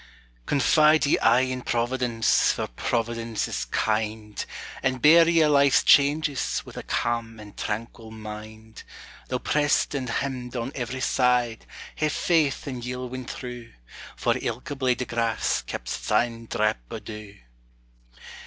Confide ye aye in Providence, for Providence is kind, And bear ye a' life's changes, wi' a calm and tranquil mind, Though pressed and hemmed on every side, ha'e faith and ye 'll win through, For ilka blade o' grass keps its ain drap o' dew.